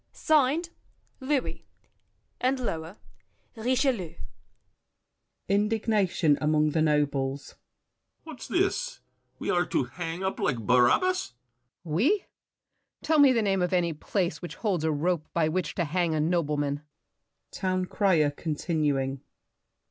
"— Signed, Louis; and lower—Richelieu. [Indignation among the nobles. BRICHANTEAU. What's this? We are to hang up like Barabbas! BOUCHAVANNES. We? Tell me the name of any place which holds A rope by which to hang a nobleman! TOWN CRIER (continuing).